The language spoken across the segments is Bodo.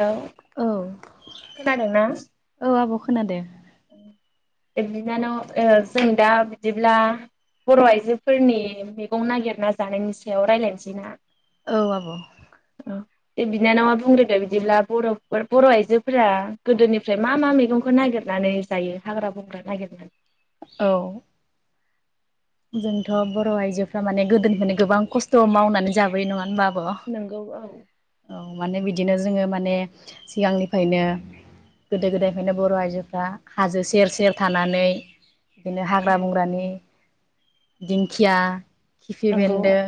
हेलौ औ खोनादोंना औ आब' खोनादो। [unintelligible] बिनानाव ओ जों दा बिदिब्ला बर' आइजोफोरनि मेगं नागिरना जानायनि सायाव रायलायनोसै ना? औ आब'। औ दे बिनानावा बुंग्रोदो बिदिब्ला बर'फोर बर' आइजो फोरा गोदोनिफ्राय मा मा मेगंखौ नागिरनानै जायो हाग्रा बंग्रा नागिरनानै? औ जोंथ' बर' आइजोफ्रा माने गोदोनिफ्रायनो गोबां खस्थ' मावनानै जाबोयो नङा होनबा आब ब' नोंगौ औ औ माने बिदि दिनो जोङो माने सिगांनिफायनो गोदो गोदायनिफायनो बर आइजोफ्रा हाजो सेर सेर थानानै दिनो हाग्रा नंगौ बंग्रानि दिंखिया किफि औ बेन्दों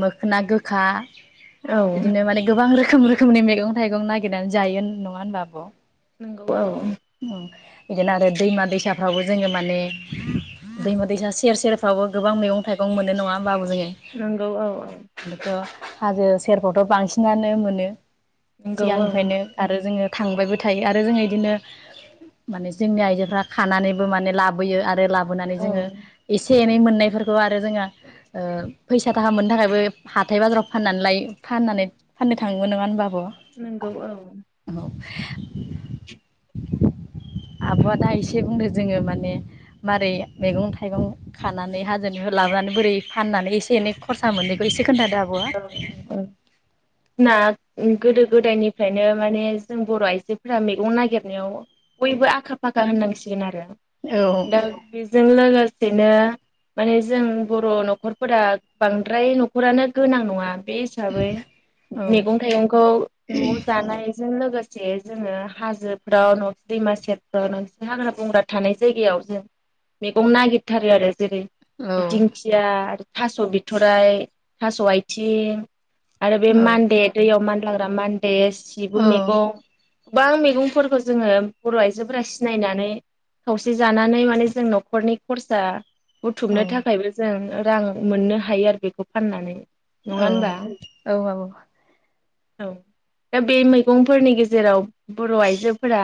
मोखना गोखा बिदिनो माने गोबां रो खोम रोखोमनि मैगं थाइगं नागिरनानै जायो नङा होनबा आब'? नंगौ औ। उम बिदिनो आरो दैमा दैसाफ्रावबो जोङो माने दैमा दैसा सेर सेरफ्रावबो गोबां मैगं थाइगं मोनो नङा होमबाबो जोङो नंगौ औ औ। बेथ' हाजो सेरफ्रावथ' बांसिनानो मोनो। नंगौ औ सिगांनिफ्रायनो आरो जोङो थांबायबो थायो आरो जों इदिनो माने जोंनि आइजोफ्रा खानानैबो माने लाबोयो आरो लाबो बोनानै औ जोङो एसे एनै मोन नायफोरखौ आरो जोङा ओ फैसा थाखा मोननो थाखायबो हाथाय बाजाराव फाननानै लायो फाननानै फाननो थाङोमोन नङा होनबा आब औ नोंगौ औ। [inaudible] आब'आ दा इसे बुंदो। जोङो माने मारै मेगं थाइगं खानानै हाजोनिफाय लाबोनानै बोरै फाननानै एसे एनै खरसा मोनो बैसोर औ [unintelligible] उम गोदो गोदायनिफ्रायनो माने जों बर' आइजोफोरा मैगं नागिरनायाव बयबो आखा फाखा होननांसिगोन आरो। औ [unintelligible] बिदिनो माने जों बर नखरफोरा बांद्राय नखरानो गोनां नङा बे हिसाबै औ मैगं थाइगंखौ नआव जानायजों लोगोसे से जोङो हाजोफ्राव न दैमा सेरफ्राव नोंस हाग्रा बंग्रा थानाय जायगायाव जों मैगं नागिरथारो आरो जेरै औ दिंखिया आरो थास बिथराइ थास आइथिं आरो बे मान्दे दैयाव मान- लाग्रा मान दे सिबुं औ मेगं गोबां मैगंफोरखौ जोङो बर' आइजोफोरा सिनायनानै खावसे जानानै माने जों न'खरनि खरसा बुथुमनो थाखायबो जों रां मोननो हायो आरो बेखौ फाननानै नङा औ होनबा औ आब' औ दा बे मैगंफोरनि गेजेराव बर' आइजोफोरा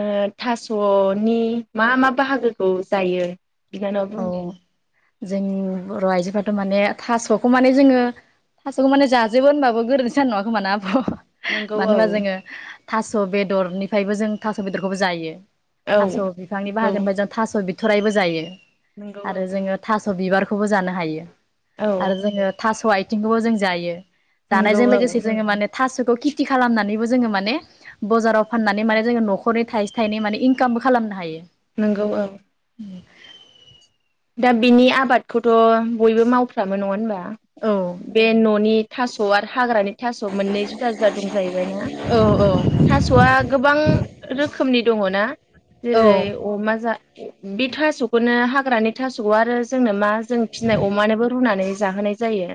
ओ थास'नि मा मा बाहागोखौ जायो? बिनानावा बुंदो औ जोंनि बर' आइजोफ्राथ' माने थास'खौ माने जोङो थास'खौ माने जाजोबो होनबाबो गोरोन्थि जानाय नङा खोमाना आब'? नंगौ मानो औ होनबा जोङो थास' बेदरनिफायबो जों थास' बेदरखौबो जायो। औ थास' बिफांनि नंगौ बाहागोनि फाय जों थास' बि थरायबो जायो। नंगौ औ आरो जोङो थास' बिबारखौ खौबो जानो हायो। औ आरो जोङो थास' आय थिंखौबो जों जायो। नंगौ जानायजों औ लोगोसे जोङो माने थास'खौ खिथि खालामनानैबो जोङो माने बजाराव फाननानै माने जोङो न'खरनि थाइसे थाइनै माने इंकामबो खालामनो हायो। नोंगौ औ [unintelligible] दा बिनि आबादखौथ' बयबो मावफ्रामो नङा होनबा? औ बे न'नि थास' आरो हाग्रानि थास' मोननै जुदा जुदा दं जाहैबायना औ थास'आ गोबां रोखो खोमनि दङ ना? औ जेरै अमा जा बे थास'खौनो हाग्रानि थास'खौ आरो जोंनो मा जों फिनाय अमानोबो रुनानै जाहोनाय जायो।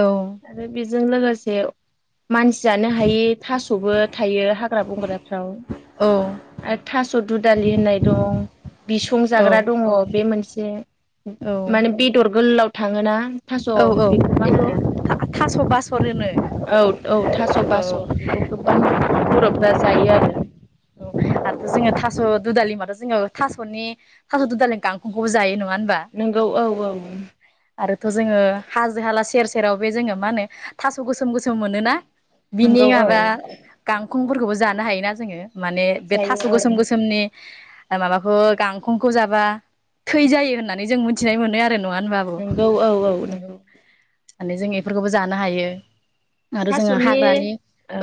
औ आरो बेजों लोगोसे से मानसि जानो हायि थास'बो थायो हाग्रा बंग्राफ्राव औ आरो थास' दुदालि होननाय दं बिसं औ जाग्रा दङ बे मोनसे ए उम माने औ बेदर गोलाव थाङोना थास' औ औ बेखौ मा होनो थास' बासर होनो औ औ थास' औ बासर बेखौ गोबां बर'फ्रा जायो आरो औ आरो जोङो थास' दुदालि मादाव जोङो थास'नि थास' दुदालिनि गांखंखौबो जायो न नोंगौ औ औ ओं । थ' जोङो हाजो हाला सेर सेराव बे जोङो मा होनो थास' गोसोम गोसोम मोनोना बिनि नोंगौ औ माबा गांखंफोरखौबो जानो हायोना जोङो माने जायो थास' औ गोसोम गोसोमनि माबाखौ गांखंखौ जाबा थै जायो होननानै जों मिथिनाय मोनो आरो नङा होनबा आब' नोंगौ औ औ नंगौ । माने जों इफोरखौबो जानो हायो । थास'नि औ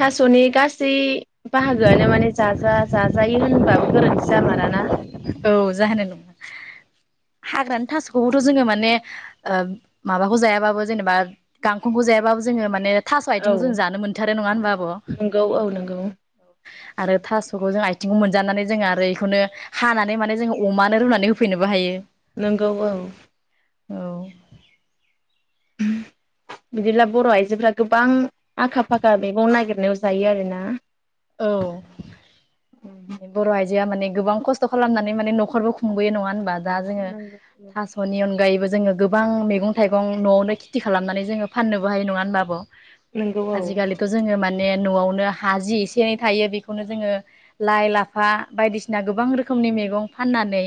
थास'नि गासै बाहागोआनो माने जा-जा-जाजायो होनबाबो गोरोन्थि जामारा ना? औ जाहोनाय नङा हाग्रानि थास'खौबोथ' जोङो माने ओ माबाखौ जायाबाबो जेनेबा गांखंखौ जायाबाबो जोङो माने थास' औ आयथिं जों जानो मोनथारो नङा होनबा आब'? नोंगौ औ नोंगौ आरो थास'खौ जों आयथिं मोनजानानै जोङो आरो इखौनो हानानै माने जोङो अमानो रुनानै होफैनोबो हायो । नंगौ औ । औ । बिदिब्ला बर' आइजोफ्रा गोबां आखा फाखा मैगं नागिरनायाव जायो आरो ना? औ बर'आइजो आ माने गोबां खस्थ' खालामनानै माने न'खरबो खुंबोयो नङा होनबा? दा जोङो नोंगौ थास'नि अनगायैबो जोङो गोबां मैगं थाइगं न'आवनो खेथि खालामनानै जोङो फाननोबो हायो नङा होनबा आब'? नोंगौ औ आजिखालिथ' जोङो मा ने न'आवनो हा जि से थायो बेखौनो जोङो लाइ लाफा बायदिसिना गोबां रोखोमनि मैगं फाननानै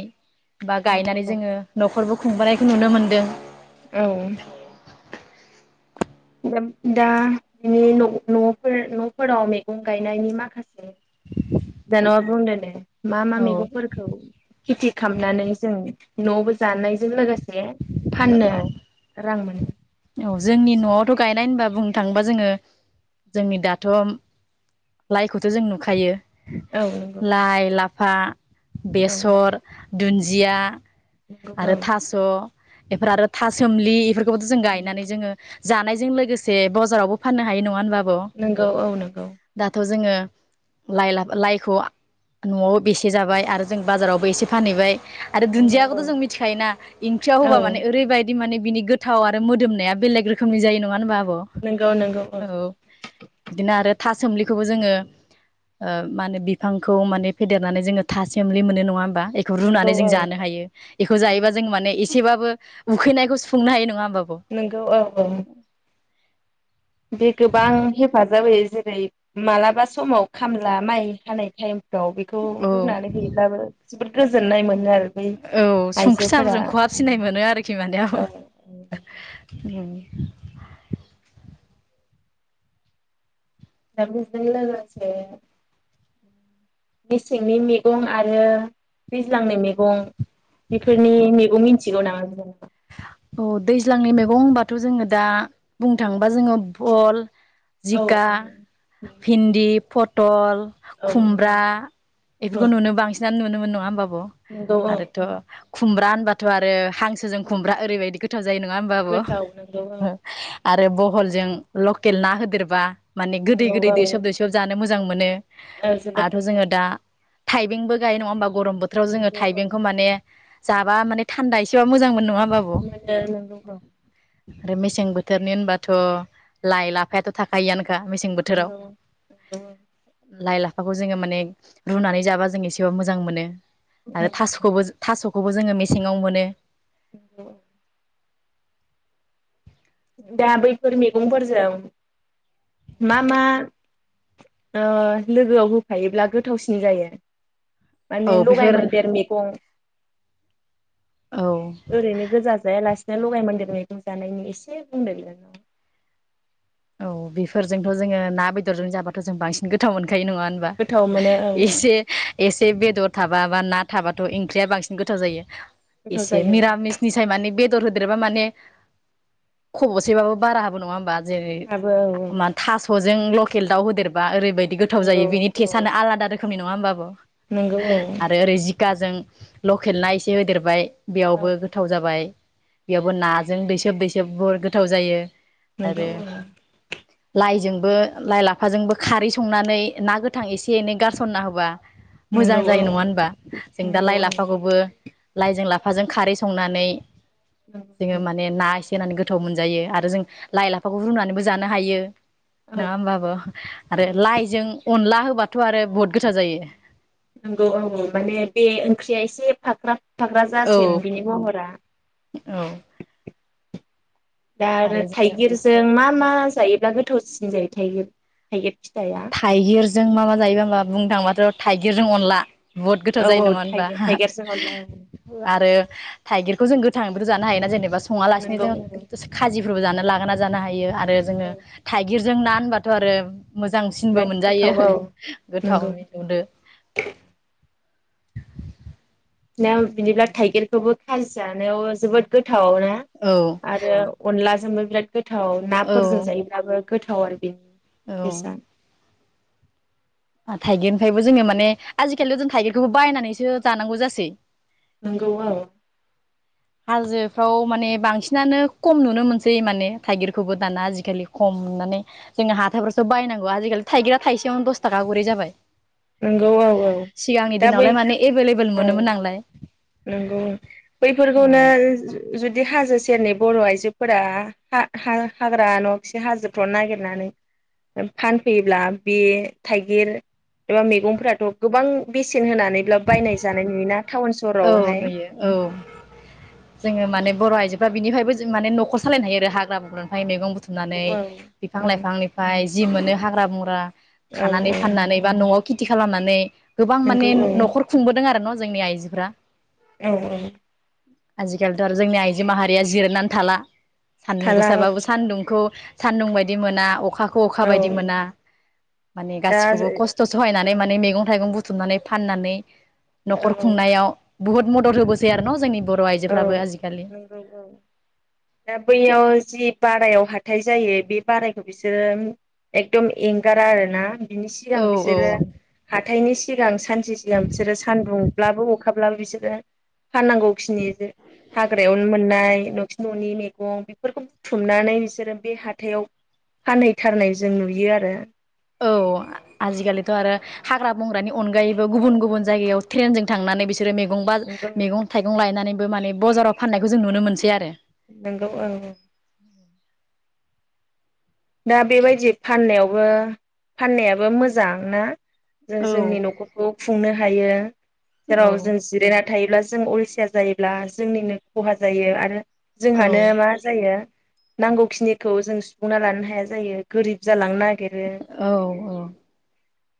बा गायनानै जोङो औ न'खरबो खुंबोनायखौ नुनो मोन्दों । औ । दा न' न'फोर न'फोराव मैगं गायनायनि माखासे [unintelligible] बुं दे दे । मा मा औ मैगंफोरखौ खेथि खामनानै जों न'आवबो जानायजों लोगो से फाननो औ रां मोनो । औ जोंनि नआवथ' गायनाय होनबा बुंनो थाङोबा जोङो जोंनि दाथ' लाइखौथ' जों नुखायो। औ नंगौ। फा, बेसर, दुन्दिया। आरो थास' एफोर आरो था सोमलि इफोर खौबोथ' जों गायनानै जोङो जानायजों लोगोसे बजारावबो फाननो हायो नङा होनबा। औ नंगौ औ नंगौ औ दाथ' जोङो। लाइ लाफा लाइखौ न'आव बेसे जाबाय आरो जों बाजारावबो एसे फानहैबाय। आरो नंगौ दुन्दियाखौथ' औ जों मिथिखायोना इन ओंख्रिं याव होबा माने ओरैबायदि माने बिनि गोथाव आरो मोदोमनाया बेलेग रोखोमनि जायो नङा होनोमबा। नंगौ नंगौ औ नंगौ अ औ इदिनो आरो था सोम्लिखौबो जोङो ओ मा होनो बिफांखौ माने फेदेरनानै जोङो था सोम्लि मोनो नङा बा इखौ नंगौ रुनानै जों जानो हायो इखौ जायोबा औ जों माने बाबो‌ उखैनायखौ सुुंफुंनो हायो नङा होम नोंगौ औ औ। बे गोबां हेफाजाब होयो जे ओेरै मालाबा समाव खामला माइ हानाय टाइम । औ बेखौ औ रुनानै हैब्लाबो। जोबोद गोजोननाय मोनो आरो । औ संख्रि सा फोरजों खहाब सिनाय मोनो आरोखि माने औ [inaudible] दा बेजों लोगोसे मेसेंनि मैगं आरो दैज्लांनि मैगं । बेफोरनि मैगं मि थिगौ नामा नों औ दैज्लांनि मैगं होनबाथ' जोङो दा बुंनो थाङोबा जोङो बल औ जिका भिन्दि पट टल औ खुमब्रा औ इफोरखौ नुनो बांसिनानो नुनो मोन नङा होमबा ब नंगौ औ आरोथ' खुमब्रा होनबाथ आरो हांसोजों खुम्रा रैबायदि गोथाव जायो नङा होमबा गोथाव नंगौ औ आब आरो बहलजों लकेल ना होदेरबा माने गोदै गोदै दैसोब दैसोब जानो मोजां मोजां मोनो ओ जोबोत आरोथ' जोङो दा थाइबेंबो गायो नङाहीमबा गरम बोथोराव जोङो औ थाइबेंखौ माने जाबा माने थानदा एसे बाबो मोजां मोनो नङा होमबा आब' ओ नंगौ मेसें बोथोरनि होनबाथ लाइ लाफायाथ थाखायोआनो मेसें बोथोराव नंगौ लाइ लाफा हाखौ जोङो माने रुनानै जाबा जों एसेबा मोजां मोनो आरो थासखौबो थासखौबो जोङो मेसेङाव मोनो औ दा बैफोर मैगंफोरजों मा मा लोगोआव होफायोब्ला गोथावसिन जायो औ माने लगाय बेफोर मोनदेर मेगं औ ओरैनो गोजा जायालासिनो लगाय मोन्देर मैगं जानायनि एसे बुंदों बे औ बेफोरजोंथ जोङो ना बेदरजों जाबाथजों बांसिन गोथाव मोनगोन खै नङा होनबा गोथाव मोनो औ एसे एसे बेदर थाबा माबा बा ना थाबाथ ओंख्रिया बांसिन गोथाव जायो गोथाव एसे जायो औ मिरामिसनिसाय माने बेदर होदेरब्ला मौबा माने खबसेबाबो बारा हाबो नङा होनबा जेरै आबो औ औ जों लकेल दाउ होदेरबा ओरै बे बायदि गोथाव औ जायो बिनि औ टेस्टआनो आलादा रोखोमनि [unintelligible] नङा होनोमबाबो नंगौ औ आरो ओरै जिकाजों लकेल ना एसे होदेरबाय बेयावबो गोथाव जाबाय बेयावबो नाजों दैसोब दैसोब बह गोथाव जायो नंगौ आरो ओ लाइजोंबो लाइ लाफाजोंबो खारै संनानै ना गोथां एसे एनै गारसनना होबा मोजां नंगौ औ जायो नङा होनबा जों दा नंगौ लाइ औ लाफाखौबो लाइजों लाफाजों खारै संनानै जोङो नंगौ माने ना एस से होनानै गोथाव मोनजायो आरो जों लाइ लाफाखौ रुनानैबो जानो हायो औ नङा होमबा औ आब आरो औ लाइजों अनला होबा थ' आरो बुहुत गोसा जायो नंगौ औ माने बे ओंख्रिया एसे फाख्रा फाख्रा औ जासिगोन बिनि महरा औ दा आरो थाइगिरजों मा मा जायोब्ला गोथावसिन जायो थाइगिर थाइगिर फिथाइया थाइगिरजों मा मा जायोबा होमबा बुंनो थांबाथ' थाइगिरजों अनला बुहुत गोथाव औ जायो औ नङा होनबा थाइगिर थाइगिरजों अनला औ आरो थाइगिरखौ जों गोथ थांबोथ' जानो हायोना जेनेबा सङा लासे नंगौ जों औ खाजिबो रुजाना लागाना जानो हायो आरो जोङो थाइगिर जों ना होनबाथ' आरो मो जांसिनबो बिराद मोनजायो गोथाव औ गोथाव नंगौ मिलौदो नायाव बिदिब्ला थाइगिरखौबो खाजि जानायाव जोबोद गोथ थाव ना औ आरो अनला जोंबो बेराद गोथाव औ नाफोरजों जायोब्लाबो गोथाव आरो बेयो औ थेसा थाइगिरनिफ्रायबो जोङो माने आजिखालियाव जों थाइगिरखौबो बायनानैसो जानांगौ जासै। नांगौ औ। हाजोफ्राव माने बांसिनानो खम नुनो मोनसै माने थाइगिरखौबो दाना आजिखालि खम नुनानै जोंङो हाथाफोरसो बायनांगौ आजिखालि थाइगिरा थाइसेयावनो दस थाखा खरि जाबाय। नंगौ औ औ सिगांनि दा बै दिनावलाय माने एभेलेबेल मोनोमोन नालाय। नोंगौ। ओ औ बैफोरखौनो जु-जुदि हाजो सेरनि बर' आइजोफोरा हा-हा-हाग्रा न'आखि हाजोफ्राव नागिरनानै फानफैयोब्ला बे थाइगिर एबा मैगंफोराथ' गोबां बेसे न होनानैब्ला बायनाय जानाय नुयोना टाउन औ सहरावहाय नुयो औ जोङो माने बर' आइजोफ्रा बिनिफ्रायबो जों माने न'खर सालायनो हायो आरो हाग्रा बंग्रा फाय मैगं नंगौ बुथुमनानै औ बिफां औ लाइफांनिफ्राय जि मोनो हाग्रा बंग्रा खानानै औ औ फाननानै बा न'आव खेथि खालामनानै गोबां माने नंगौ औ न'खर खुंबोदों आरो न' जोंनि आइजोफ्रा? औ औ आजिखालिथ' आरो जोंनि आइजो माहारिया जिरायनानै थाला। सान्दुं थाला औ गोसाबाबो सान्दुंखौ सान्दुं बायदि मोना अ खाखौ अखा औ बायदि मोना। माने दा गासिखौबो खस्थ' सहायनानै औ माने मैगं थाइगं बु थुमनानै फाननानै न'खर औ खुंनायाव बुहुत मदद होबोसै आरो न' जोंनि बर' औ आइजोफ्राबो आजिखालि नंगौ औ दा बैयाव जि बारायाव हाथाय जायो बे बारायखौ बिसोरो एकदम एंगारा आरोना। बिनि सिगां औ औ बिसोरो हाथायनि सि सिगां सान से सिगां बिसोरो सानदुंब्लाबो अखा अब्ला बिसोरो फाननांगौ खिनि हाग्रायावनो मोननाय न'थि न'नि मैगं बेफोरखौ बुथुमनानै बिसोरो बे हाथायाव फानहैथारनाय जों नुयो आरो। औ आजिखालिथ' आरो हाग्रा बंग्रानि अनगायैबो गुबुन गुबुन जायगायाव ट्रेनजों थांनानै बि सोरो मैगं बा नंगौ मैगं थाइगं लायनानै बो माने बजाराव फाननायखौ जों नुनो मोनसै आरो नोंगौ औ दा बेबायदि फाननायावबो फाननायाबो मोजां ना जों औ जोंनि न'खरखौ खुंनो हायो। औ जेराव जों जिरायना थायोब्ला जों अलसिया जायोब्ला जोंनिनो खहा जायो आरो औ जोंहानो मा जायो नांगौखिनिखौ जों सुफुंना लानो हाया जायो गोरिब जालांना औ औ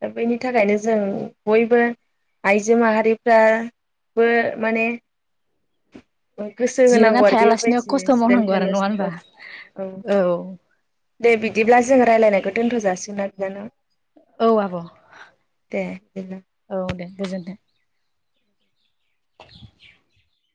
दा बेनि थाखायनो जों बयबो आइजो माहारिफ्राबो माने गोसो जिरायना होनांगौ आरो थायालासिनो बेबायदि खस्थ' जिरेन मावनांगौ आरो नङा थेलासिनो होनबा औ औ दे बिदिब्ला जोङ रायज्लायनायखौ दोन्थ जाासिगोना बिनानाव। औ आब औ दे बिदिब्ला दे गोजोनथों। [inaudible]